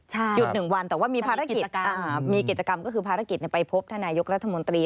จุดหนึ่งวันแต่ว่ามีภารกิจกรรมก็คือภารกิจไปพบธนายกรัฐมนตรี